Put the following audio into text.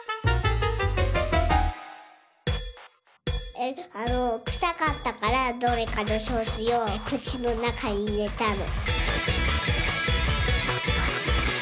えっあのくさかったからどうにかしようくちのなかにいれたの。